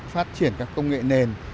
phát triển các công nghệ nền